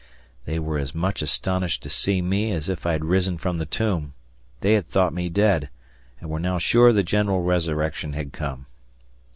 They were as much astonished to see me as if I had risen from the tomb; they had thought me dead and were now sure the general resurrection had come.